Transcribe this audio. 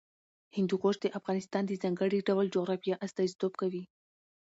هندوکش د افغانستان د ځانګړي ډول جغرافیه استازیتوب کوي.